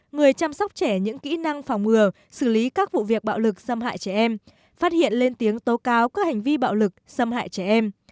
người chăm sóc trẻ những kỹ năng phòng ngừa xử lý các vụ việc bạo lực xâm hại trẻ em phát hiện lên tiếng tố cáo các hành vi bạo lực xâm hại trẻ em